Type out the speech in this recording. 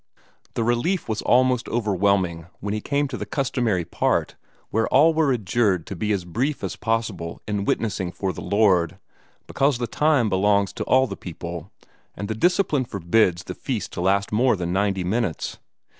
The relief was almost overwhelming when he came to the customary part where all are adjured to be as brief as possible in witnessing for the Lord, because the time belongs to all the people, and the Discipline forbids the feast to last more than ninety minutes.